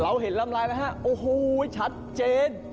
เราเห็นลำลายแล้วฮะโอ้โฮชัดเจน